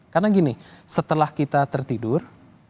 karena gini setelah kita tertidur